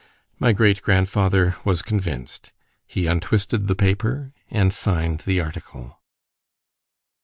——My great grandfather was convinced.—He untwisted the paper, and signed the article.